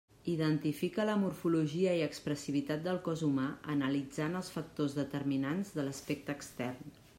Identifica la morfologia i expressivitat del cos humà analitzant els factors determinants de l'aspecte extern.